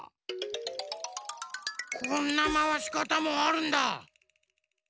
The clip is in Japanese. こんなまわしかたもあるんだ。